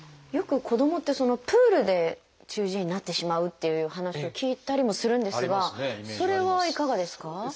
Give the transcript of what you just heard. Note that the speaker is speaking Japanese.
よく子どもってプールで中耳炎になってしまうっていう話を聞いたりもするんですがそれはいかがですか？